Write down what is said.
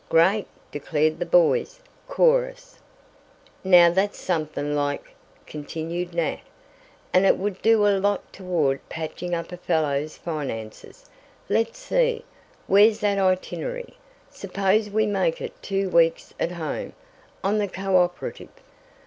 "Great!" declared the boys' chorus. "Now that's something like," continued Nat, "and it would do a lot toward patching up a fellow's finances. Let's see. Where's that itinerary? Suppose we make it two weeks at home on the co operative."